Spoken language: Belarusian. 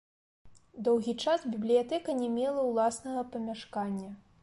Доўгі час бібліятэка не мела ўласнага памяшкання.